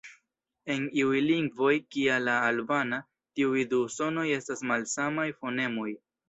En iuj lingvoj, kia la albana, tiuj du sonoj estas malsamaj fonemoj.